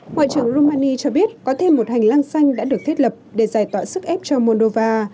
ngoại trưởng rumani cho biết có thêm một hành lang xanh đã được thiết lập để giải tỏa sức ép cho moldova